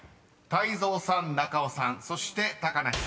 泰造さん中尾さんそして高梨さん］